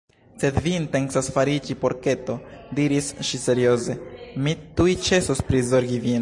"Se vi intencas fariĝi porketo," diris ŝi serioze, "mi tuj ĉesos prizorgi vin!"